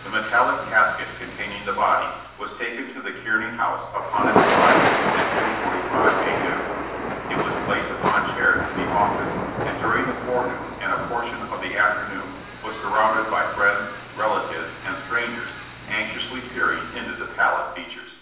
The metallic casket containing the body was taken to the Kearney house upon its arrival at 2:45 a. m. It was placed upon chairs in the office, and during the forenoon and a portion of the afternoon was surrounded by friends, relatives and strangers anxiously peering into the pallid features.